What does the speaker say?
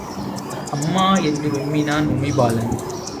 அம்மா! என்று விம்மினான் உமைபாலன்.